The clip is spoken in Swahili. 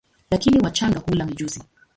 Lakini wachanga hula mijusi.